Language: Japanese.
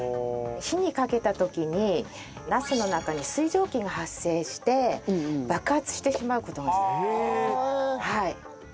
火にかけた時にナスの中に水蒸気が発生して爆発してしまう事が。へえーっ！